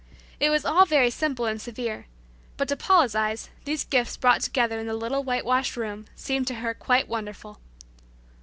It was all very simple and severe, but to Paula's eyes these gifts brought together in the little whitewashed room seemed to her quite wonderful.